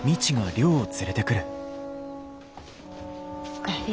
おかえり。